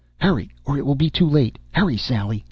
"Hurry or it will be too late! Hurry, Sally!"